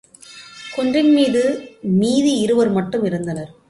குன்றின் மீது மீதி இருவர் மட்டும் இருந்தனர்.